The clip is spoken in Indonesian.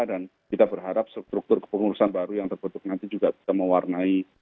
dan kita berharap struktur kepengurusan baru yang terbentuk nanti juga bisa mewarnai